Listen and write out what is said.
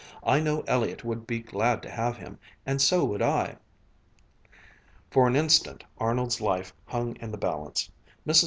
I know Elliott would be glad to have him, and so would I." For an instant Arnold's life hung in the balance. Mrs.